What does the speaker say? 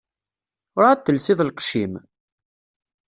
Ur εad telsiḍ lqecc-im?